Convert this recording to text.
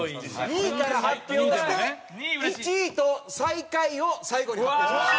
２位から発表して１位と最下位を最後に発表します。